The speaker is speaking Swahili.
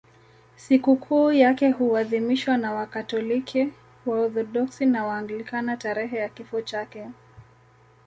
Sikukuu yake huadhimishwa na Wakatoliki, Waorthodoksi na Waanglikana tarehe ya kifo chake.